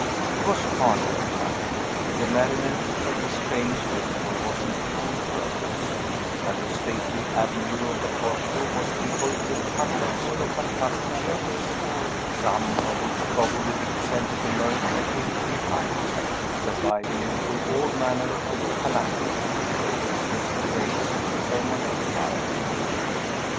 It was carnival time. The merriment of this famous festival was in full progress; and the stately avenue of the Corso was peopled with hundreds of fantastic shapes, some of which probably represented the mirth of ancient times, surviving through all manner of calamity, ever since the days of the Roman Empire.